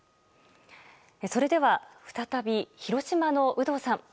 それでは、再び広島の有働さん。